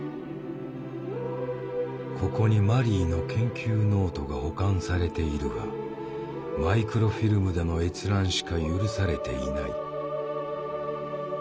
ここにマリーの研究ノートが保管されているがマイクロフィルムでの閲覧しか許されていない。